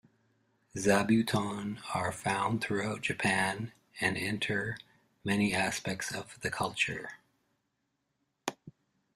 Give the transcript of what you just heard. Zabuton are found throughout Japan and enter many aspects of the culture.